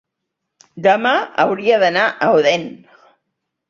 demà hauria d'anar a Odèn.